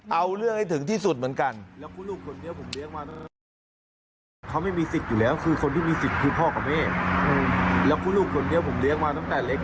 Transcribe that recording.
เอาเรื่องให้ถึงที่สุดเหมือนกัน